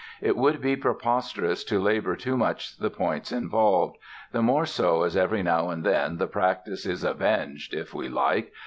It would be preposterous to labor too much the points involved—the more so as every now and then the practice is "avenged" (if we like!)